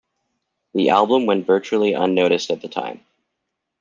The album went virtually unnoticed at the time.